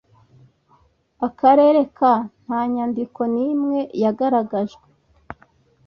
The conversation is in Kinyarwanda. akarere ka nta nyandiko n imwe yagaragajwe